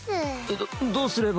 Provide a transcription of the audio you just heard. どどうすれば？